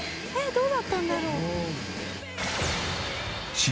どうだったんだろう？